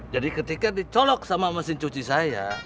jadi ketika dicolok sama mesin cuci saya